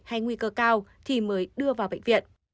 hay nguy cơ cao thì mới đưa vào bệnh viện